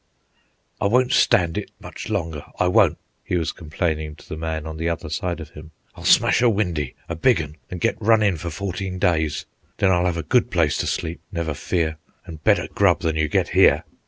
"I won't stand it much longer, I won't," he was complaining to the man on the other side of him. "I'll smash a windy, a big 'un, an' get run in for fourteen days. Then I'll have a good place to sleep, never fear, an' better grub than you get here.